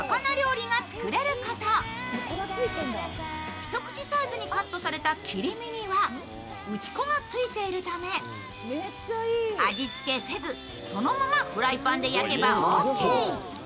一口サイズにカットされた切り身には打ち粉がついているため味付けせずそのままフライパンで焼けばオーケー。